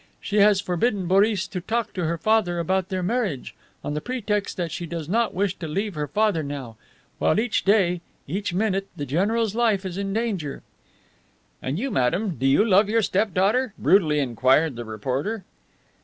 She has forbidden Boris to speak to her father about their marriage, on the pretext that she does not wish to leave her father now, while each day, each minute the general's life is in danger." "And you, madame do you love your step daughter?" brutally inquired the reporter.